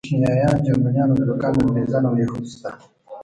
چيچنيايان، جرمنيان، ازبکان، انګريزان او يهود شته.